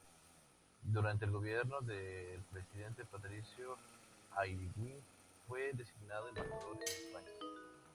Durante el Gobierno del presidente Patricio Aylwin fue designado embajador en España.